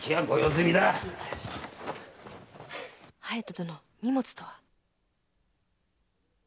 隼人殿荷物とは？